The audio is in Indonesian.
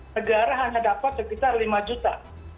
negara hanya dapat sekitar lima juta